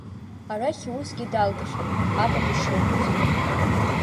Арахь иусгьы далгахьан, апап ишибоз.